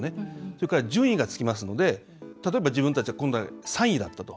それから順位がつきますので例えば、自分たちは今回３位だったと。